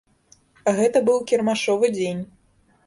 Гэта быў кірмашовы дзень.